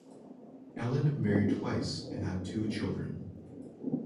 Ellen married twice and had two children.